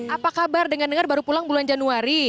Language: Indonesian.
apa kabar dengar dengar baru pulang bulan januari